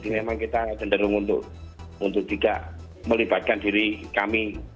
jadi memang kita cenderung untuk tidak melibatkan diri kami